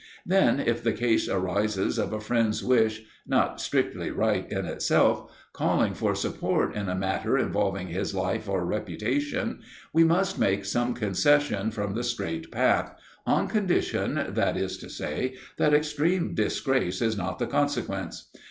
Then if the case arises of a friend's wish (not strictly right in itself) calling for support in a matter involving his life or reputation, we must make some concession from the straight path on condition, that is to say, that extreme disgrace is not the consequence.